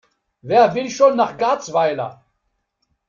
Wer will schon nach Garzweiler?